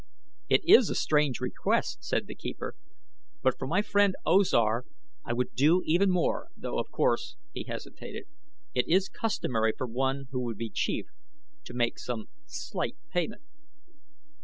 "It is a strange request," said the keeper, "but for my friend O Zar I would do even more, though of course " he hesitated "it is customary for one who would be chief to make some slight payment."